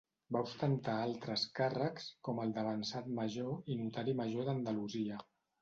Va ostentar altres càrrecs com el d'avançat major i notari major d'Andalusia.